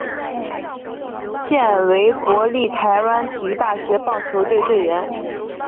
现为国立台湾体育大学棒球队队员。